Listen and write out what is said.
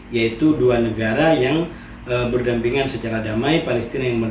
yaitu dua negara yang berdampingan secara damai palestina